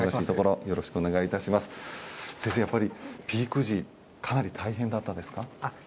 先生、ピーク時かなり大変だったんですか？